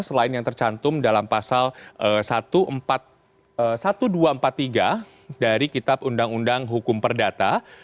selain yang tercantum dalam pasal satu dua ratus empat puluh tiga dari kitab undang undang hukum perdata